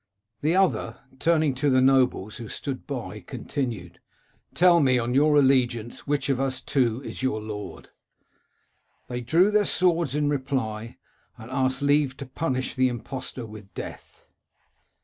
" The other, turning to the nobles who stood by, continued, * Tell me, on your allegiance, which of us two is your lord ?' 250 King Robert of Sicily "They drew their swords in reply, and asked leave to punish the impostor with death.